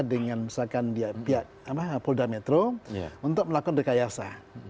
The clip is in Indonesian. dengan misalkan pihak polda metro untuk melakukan rekayasa